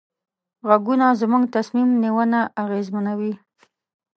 غږونه زموږ تصمیم نیونه اغېزمنوي.